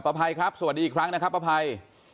ภัยครับสวัสดีอีกครั้งนะครับป้าภัย